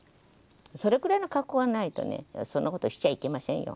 それくらいの覚悟がないとねそんなことしちゃいけませんよ。